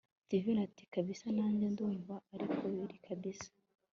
steven ati kabisa nanjye ndumva ariko biri kabsa